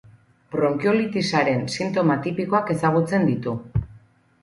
Bronkiolitisaren sintoma tipikoak ezagutzen ditu.